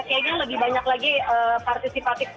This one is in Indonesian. kayaknya lebih banyak lagi partisipatif yang dilakukan